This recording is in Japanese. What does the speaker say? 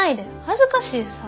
恥ずかしいさ。